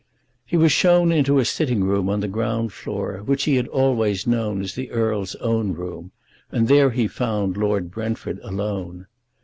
He was shown into a sitting room on the ground floor, which he had always known as the Earl's own room, and there he found Lord Brentford alone.